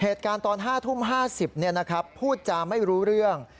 เหตุการณ์ตอน๕ทุ่ม๕๐พูดจาไม่รู้เรื่อง